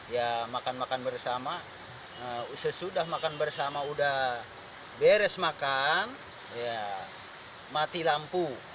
ya makan makan bersama sesudah makan bersama udah beres makan ya mati lampu